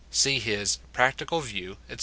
(See his "Practical View," etc.